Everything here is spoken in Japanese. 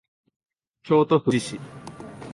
京都府宇治市